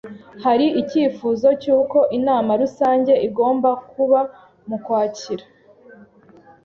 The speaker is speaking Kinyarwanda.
Hari icyifuzo cy'uko inama rusange igomba kuba mu Kwakira.